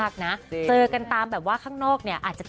อ้ะน่ารัก